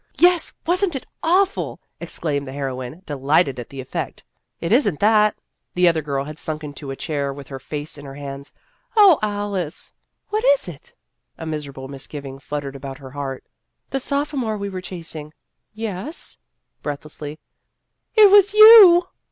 " Yes, was n't it awful !" exclaimed the heroine, delighted at the effect. " It is n't that." 26 Vassar Studies The other girl had sunk into a chair with her face in her hands. " Oh, Alice !"" What is it? " A miserable misgiving fluttered about her heart. " That sophomore we were chasing " "Yes?" breathlessly. " It was you